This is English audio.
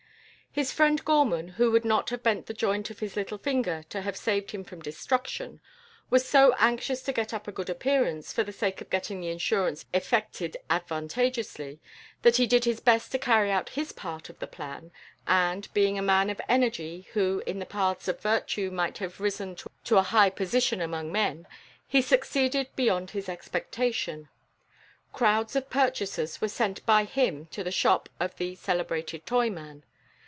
His friend Gorman, who would not have bent the joint of his little finger to have saved him from destruction, was so anxious to get up a good appearance, for the sake of getting the insurance effected advantageously, that he did his best to carry out his part of the plan, and, being a man of energy who in the paths of virtue might have risen to a high position among men, he succeeded beyond his expectation. Crowds of purchasers were sent by him to the shop of "the celebrated toy man."